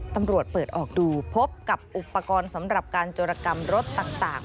ตำรวจเปิดออกดูพบกับอุปกรณ์สำหรับการจรกรรมรถต่าง